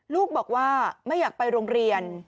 ลูกบอกว่าไม่อยากไปโรงเรียน